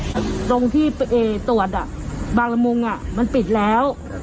ไปโรงพยาบาลตรวจอะบางระมุงมันปิดแล้ว